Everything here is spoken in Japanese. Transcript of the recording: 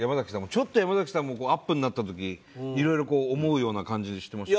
ちょっと山崎さんもこうアップになった時いろいろこう思うような感じしてました。